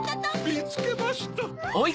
みつけました！